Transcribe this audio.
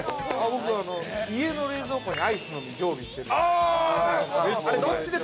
僕、家の冷蔵庫にアイスの実常備してるんで。